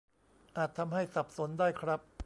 อาจทำให้สับสนได้ครับ